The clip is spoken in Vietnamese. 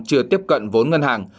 chưa tiếp cận vốn ngân hàng